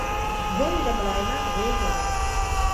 ګل د ملایمت غېږه ده.